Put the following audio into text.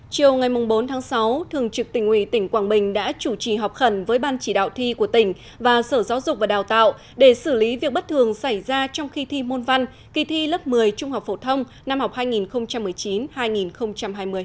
chiều ngày bốn tháng sáu thường trực tỉnh ủy tỉnh quảng bình đã chủ trì học khẩn với ban chỉ đạo thi của tỉnh và sở giáo dục và đào tạo để xử lý việc bất thường xảy ra trong khi thi môn văn kỳ thi lớp một mươi trung học phổ thông năm học hai nghìn một mươi chín hai nghìn hai mươi